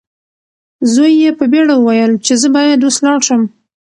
زوی یې په بیړه وویل چې زه باید اوس لاړ شم.